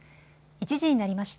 １時になりました。